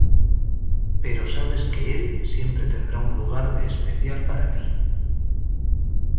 Pero sabes que él siempre tendrá un lugar de especial para ti.